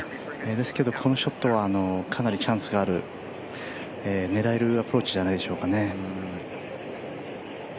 ですけどこのショットはかなりチャンスがある、狙えるアプローチじゃないでしょうかね。